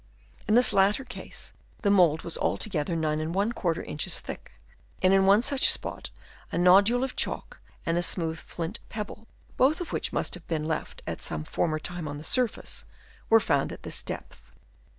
In this latter case the mould was altogether 9J inches thick ; and in one such spot a nodule of chalk and a smooth flint pebble, both of which must have been left at some former time on the surface, were found at this depth.